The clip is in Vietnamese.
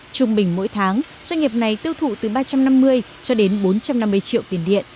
trung bình mỗi tháng doanh nghiệp này tiêu thụ từ ba trăm năm mươi cho đến bốn trăm năm mươi triệu tiền điện